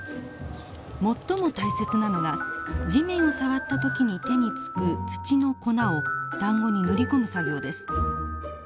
最も大切なのが地面を触った時に手に付く土の粉をだんごに塗り込む作業です。